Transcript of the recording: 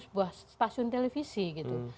sebuah stasiun televisi gitu